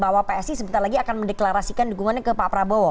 bahwa psi sebentar lagi akan mendeklarasikan dukungannya ke pak prabowo